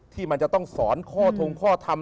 ที่มันจะต้องสอนข้อทงข้อทำ